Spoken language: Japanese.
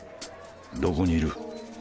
どこにいる？